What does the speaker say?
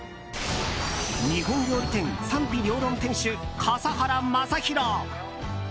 日本料理店「賛否両論」店主笠原将弘。